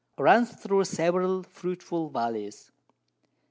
runs thro' several fruitful Valleys.